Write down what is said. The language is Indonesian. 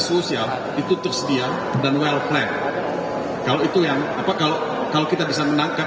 sosial itu tersedia dan well plan kalau itu yang apa kalau kalau kita bisa menangkap